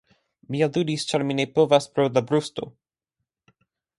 Mi aludis ĉar mi ne povas pro la brusto.